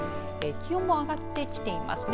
気温も上がってきています。